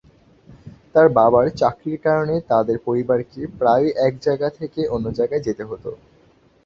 তার বাবার চাকরির কারণে তাদের পরিবারকে প্রায়ই এক জায়গা থেকে অন্য জায়গায় যেতে হত।